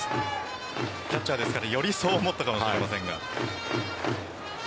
キャッチャーですからよりそう思ったかもしれませんが。